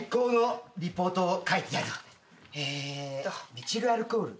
メチルアルコール。